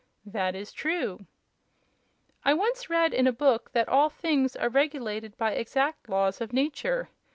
"That is true." "I once read in a book that all things are regulated by exact laws of nature.